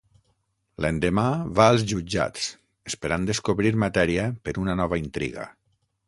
L'endemà, va als jutjats, esperant descobrir matèria per una nova intriga.